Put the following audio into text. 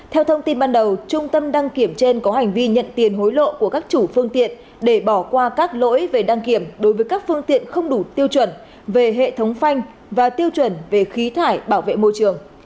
theo thông tin ban đầu trung tâm đăng kiểm trên có hành vi nhận tiền hối lộ của các chủ phương tiện để bỏ qua các lỗi về đăng kiểm đối với các phương tiện không đủ tiêu chuẩn về hệ thống phanh và tiêu chuẩn về khí thải bảo vệ môi trường